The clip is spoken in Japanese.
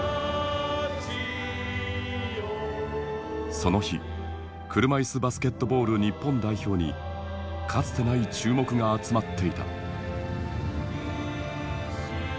その日車いすバスケットボール日本代表にかつてない注目が集まっていた。